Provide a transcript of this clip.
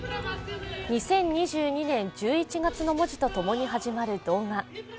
「２０２２年１１月」の文字と共に始まる動画。